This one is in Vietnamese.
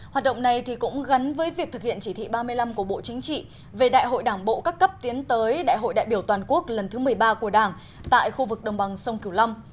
hoạt động này cũng gắn với việc thực hiện chỉ thị ba mươi năm của bộ chính trị về đại hội đảng bộ các cấp tiến tới đại hội đại biểu toàn quốc lần thứ một mươi ba của đảng tại khu vực đồng bằng sông cửu long